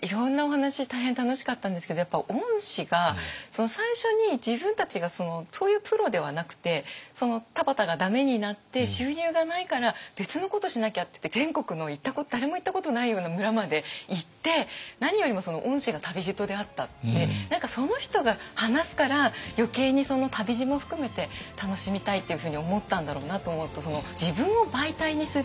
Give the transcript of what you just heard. いろんなお話大変楽しかったんですけどやっぱ御師が最初に自分たちがそういうプロではなくて田畑が駄目になって収入がないから別のことしなきゃっていって全国の誰も行ったことないような村まで行って何かその人が話すから余計にその旅路も含めて楽しみたいっていうふうに思ったんだろうなと思うと自分を媒体にする。